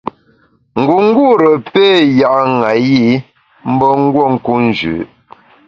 Ngungûre péé ya’ ṅayi mbe nguo nku njü.